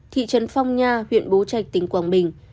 thị trấn phong nha huyện bố trạch tỉnh quảng bình